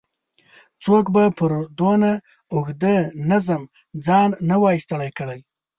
څوک به پر دونه اوږده نظم ځان نه وای ستړی کړی.